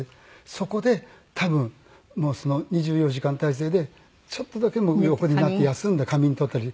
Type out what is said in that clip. そこで多分２４時間態勢でちょっとだけ横になって休んで仮眠を取ったり。